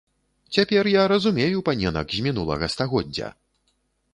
Цяпер я разумею паненак з мінулага стагоддзя!